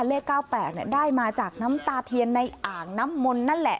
เลข๙๘ได้มาจากน้ำตาเทียนในอ่างน้ำมนต์นั่นแหละ